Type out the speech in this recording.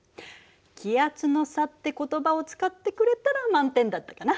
「気圧の差」って言葉を使ってくれたら満点だったかな。